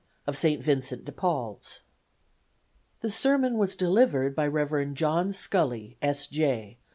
of St. Vincent de Paul's. The sermon was delivered by Rev. John Scully, S. J.